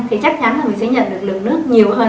thì chắc chắn là mình sẽ nhận được lượng nước nhiều hơn